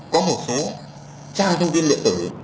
có một số trang thông tin liệu tử